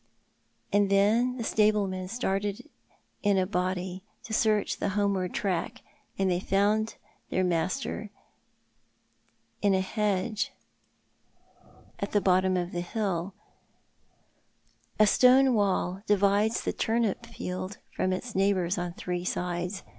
And then the stablemen started in a body to search the homeward track, and found their master in tho hedge at the 286 TJiott art the Man. bottom of the liill. A stone wall divides the turnip field from its neighbours on three sides.